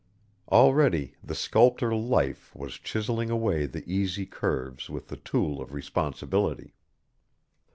Already the sculptor Life was chiselling away the easy curves with the tool of responsibility.